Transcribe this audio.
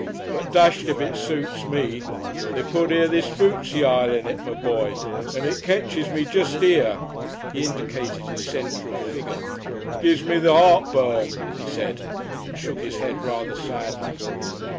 But dashed if it soots me! They put this here Foozle Ile in it, my boy, and it ketches me jest 'ere." He indicated his centre of figure. "Gives me the heartburn," he said, and shook his head rather sadly.